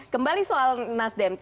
kembali soal nasdem